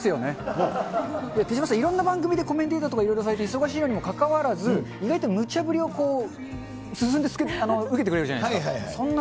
もう、手嶋さん、いろんな番組でコメンテーターとかいろいろされて忙しいのにもかかわらず、意外とむちゃぶりを進んで受けてくれるじゃないですか。